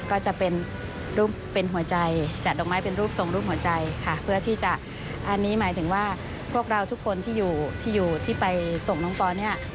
ก็จะเป็นรูปเป็นหัวใจจัดดอกไม้เป็นรูปทรงรูปหัวใจค่ะเพื่อที่จะอันนี้หมายถึงว่าพวกเราทุกคนที่อยู่ที่ไปส่งน้องปอนเนี่ย